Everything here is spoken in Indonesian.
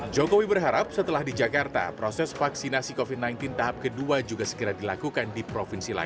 jokowi berharap setelah di jakarta proses vaksinasi covid sembilan belas tahap kedua juga segera dilakukan di provinsi lain